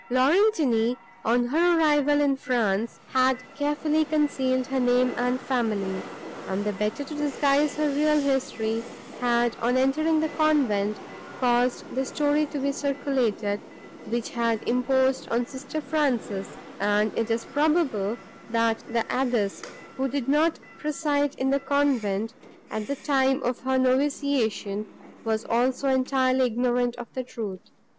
Laurentini, on her arrival in France, had carefully concealed her name and family, and, the better to disguise her real history, had, on entering the convent, caused the story to be circulated, which had imposed on sister Frances, and it is probable, that the abbess, who did not preside in the convent, at the time of her noviciation, was also entirely ignorant of the truth.